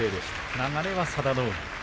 流れは佐田の海。